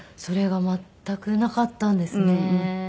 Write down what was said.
それが全くなかったんですね。